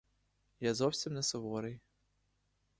Я зовсім не суворий.